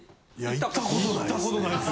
行ったことないです。